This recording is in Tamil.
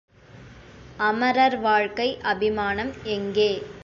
அமரர் வாழ்க்கைஅபி மானம்எங்கே?